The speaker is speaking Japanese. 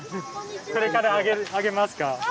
これから上げますか？